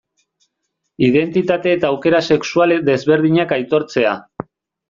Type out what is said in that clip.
Identitate eta aukera sexual desberdinak aitortzea.